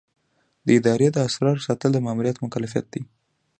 د ادارې د اسرارو ساتل د مامور مکلفیت دی.